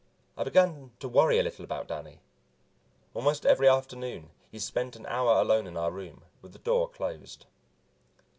I began to worry a little about Danny. Almost every afternoon he spent an hour alone in our room, with the door closed.